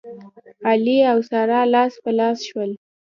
علي او ساره لاس په لاس شول.